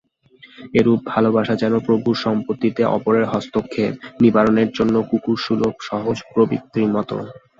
এরূপ ভালবাসা যেন প্রভুর সম্পত্তিতে অপরের হস্তক্ষেপ-নিবারণের জন্য কুকুর-সুলভ সহজ প্রবৃত্তির মত।